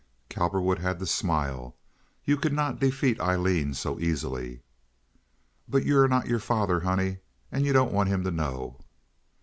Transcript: Cowperwood had to smile. You could not defeat Aileen so easily. "But you're not your father, honey; and you don't want him to know."